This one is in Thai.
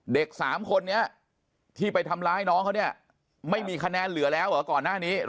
เด็ก๓คนนี้ที่ไปทำร้ายน้องเขาเนี่ยไม่มีคะแนนเหลือแล้วเหรอก่อนหน้านี้